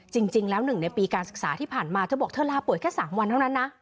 จริงแล้วหนึ่งในปีการศึกษาที่ผ่านมาเธอบอกเธอลาป่วยแค่๓วันเท่านั้นนะ